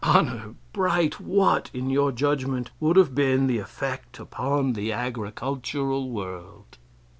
Honor bright, what, in your judgment, would have been the effect upon the agricultural world?